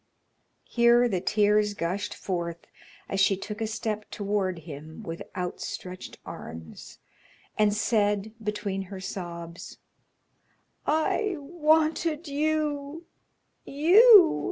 Here the tears gushed forth as she took a step toward him with outstretched arms, and said between her sobs: "I wanted you, you!